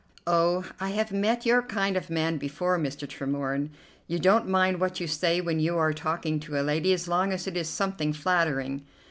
"Oh, I have met your kind of man before, Mr. Tremorne. You don't mind what you say when you are talking to a lady as long as it is something flattering."